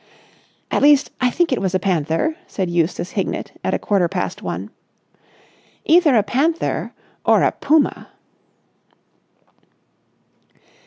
"At least I think it was a panther," said Eustace Hignett at a quarter past one. "Either a panther or a puma."